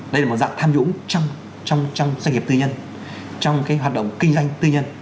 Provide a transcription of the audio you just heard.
đây là một dạng tham nhũng trong doanh nghiệp tư nhân trong cái hoạt động kinh doanh tư nhân